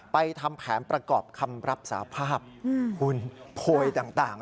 ทำแผนประกอบคำรับสาภาพคุณโพยต่าง